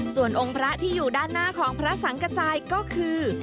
ส่วนองค์พระที่อยู่ด้านหน้าของพระสังกระจายก็คือ